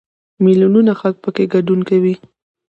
میلیونونه خلک پکې ګډون کوي.